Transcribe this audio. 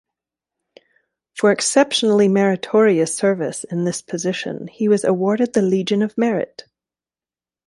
For exceptionally meritorious service in this position, he was awarded the Legion of Merit.